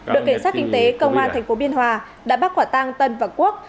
đội kiểm soát kinh tế công an thành phố biên hòa đã bắt quả tăng tân và quốc